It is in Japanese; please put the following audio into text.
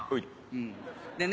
うんでね